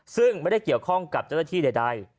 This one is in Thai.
ซึ่งไม่ได้เกี่ยวข้องกับเจ้าหน้าที่ใด